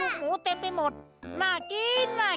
เกิดไม่ทันอ่ะ